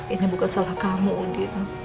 ini bukan salah kamu udin